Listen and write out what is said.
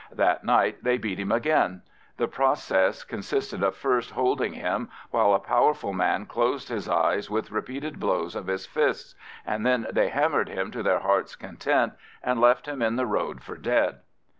That night they beat him again; the process consisted of first holding him while a powerful man closed his eyes with repeated blows of his fists, and then they hammered him to their heart's content and left him in the road for dead.